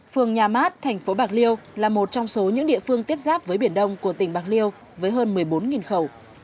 phường nhà mát thành phố bạc liêu là một trong số những địa phương tiếp giáp với biển đông của tỉnh bạc liêu với hơn một mươi bốn khẩu